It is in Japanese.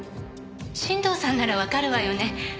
新藤さんならわかるわよね？